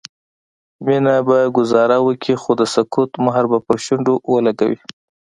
مينه به ګذاره وکړي خو د سکوت مهر به پر شونډو ولګوي